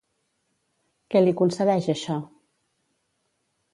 Què li concedeix això?